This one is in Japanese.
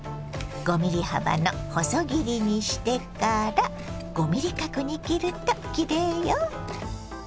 ５ｍｍ幅の細切りにしてから５ｍｍ角に切るときれいよ。